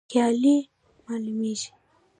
خیالي معلومیږي.